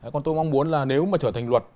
còn tôi mong muốn là nếu mà trở thành luật